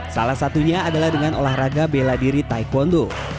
salah satunya adalah dengan olahraga bela diri taekwondo